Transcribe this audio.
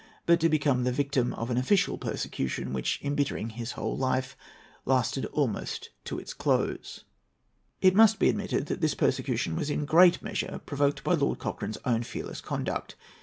but to become the victim of an official persecution, which, embittering his whole life, lasted almost to its close. It must be admitted that this persecution was in great measure provoked by Lord Cochrane's own fearless conduct.